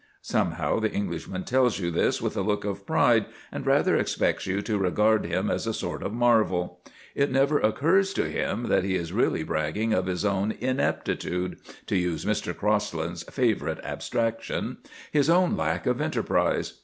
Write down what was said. Somehow the Englishman tells you this with a look of pride, and rather expects you to regard him as a sort of marvel. It never occurs to him that he is really bragging of his own ineptitude, to use Mr. Crosland's favourite abstraction, his own lack of enterprise.